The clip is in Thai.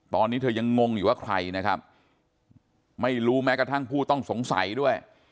ตอนนี้เธอยังงงอยู่ว่าใครนะครับไม่รู้แม้กระทั่งผู้ต้องสงสัยด้วย